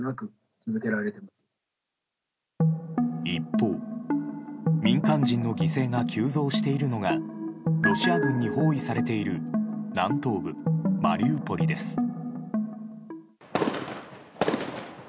一方、民間人の犠牲が急増しているのがロシア軍に包囲されている南東部マリウポリです。